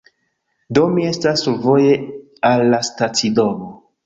Do mi estas survoje al la stacidomo